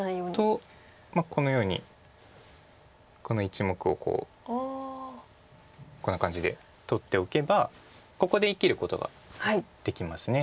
とこのようにこの１目をこうこんな感じで取っておけばここで生きることができます。